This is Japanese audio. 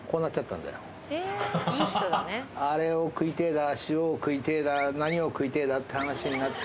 あれを食いてぇだ塩を食いてぇだ何を食いてぇだって話になって。